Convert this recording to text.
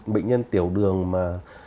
bệnh nhân tiểu đường mà